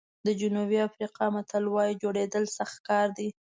د جنوبي افریقا متل وایي جوړېدل سخت کار دی.